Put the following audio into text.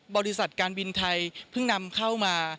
บริษัทการบินไทยเพิ่งนำเข้ามา